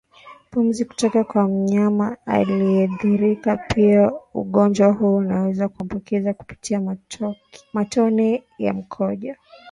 pumzi kutoka kwa mnyama aliyeathirika Pia ugonjwa huu unaweza kuambukiza kupitia matone ya mkojo